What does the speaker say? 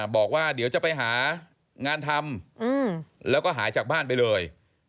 บอกว่าเดี๋ยวจะไปหางานทำแล้วก็หายจากบ้านไปเลย